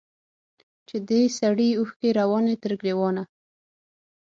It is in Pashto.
چي دي سرې اوښکي رواني تر ګرېوانه